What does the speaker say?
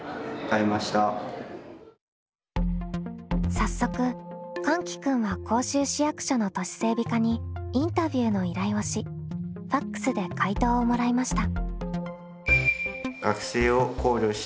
早速かんき君は甲州市役所の都市整備課にインタビューの依頼をしＦＡＸで回答をもらいました。